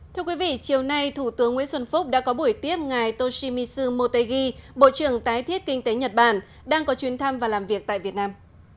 chiều nay thủ tướng nguyễn xuân phúc đã có buổi tiếp ngày toshimitsu motegi bộ trưởng tái thiết kinh tế nhật bản đang có chuyến thăm và làm việc tại việt nam